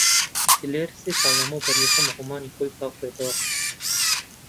دلێر سێ ساڵ لەمەوبەر یەکەم ڕۆمانی خۆی بڵاو کردەوە.